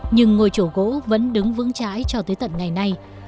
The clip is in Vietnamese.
nhưng ngôi chỗ gỗ vẫn đứng vững chãi cho tới tận ngày nay